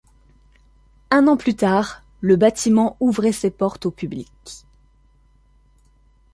Un an plus tard, le bâtiment ouvrait ses portes au public.